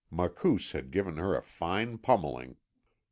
Makoos had given her a fine pummeling.